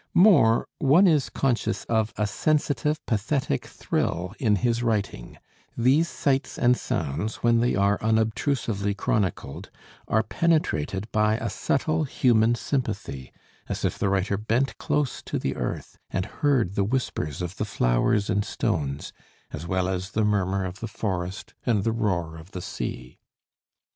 More, one is conscious of a sensitive, pathetic thrill in his writing; these sights and sounds, when they are unobtrusively chronicled, are penetrated by a subtle human sympathy, as if the writer bent close to the earth and heard the whispers of the flowers and stones, as well as the murmur of the forest and the roar of the sea.